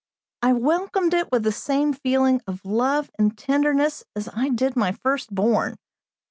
I welcomed it with the same feeling of love and tenderness as I did my firstborn.